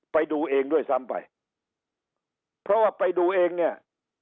ไปดูเองด้วยซ้ำไปเพราะว่าไปดูเองเนี่ย